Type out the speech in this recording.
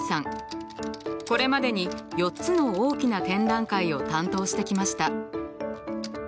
これまでに４つの大きな展覧会を担当してきました。